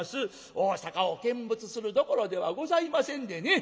大坂を見物するどころではございませんでね